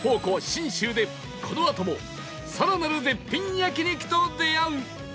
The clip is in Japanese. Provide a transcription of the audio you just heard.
信州でこのあとも更なる絶品焼肉と出会う